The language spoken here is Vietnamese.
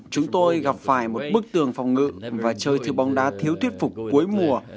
chúng tôi gặp phải một bức tường phòng ngự và chơi thử bóng đá thiếu tuyết phục cuối mùa